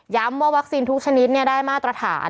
ย้ำว่าวัคซีนทุกชนิดเนี่ยได้มาตรฐาน